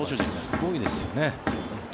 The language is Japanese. すごいですよね。